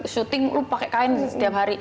syuting lu pakai kain setiap hari